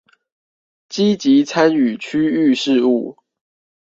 積極參與區域事務